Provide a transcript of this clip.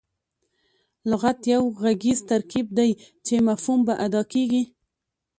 لغت یو ږغیز ترکیب دئ، چي مفهوم په اداء کیږي.